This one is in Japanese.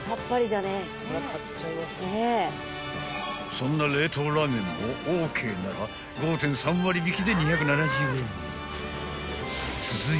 ［そんな冷凍ラーメンもオーケーなら５．３割引きで２７０円］